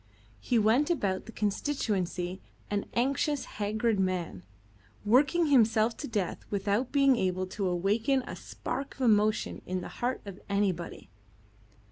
He went about the constituency an anxious, haggard man, working himself to death without being able to awaken a spark of emotion in the heart of anybody.